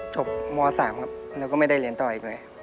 ม๓ครับแล้วก็ไม่ได้เรียนต่ออีกด้วย